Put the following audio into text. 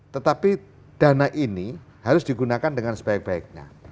tetapi dana ini harus digunakan dengan sebaik baiknya